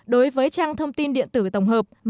đối với trang thông tin điện tử tổng hợp mạng xã hội